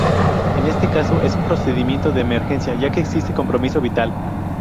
En este caso es un procedimiento de emergencia ya que existe compromiso vital.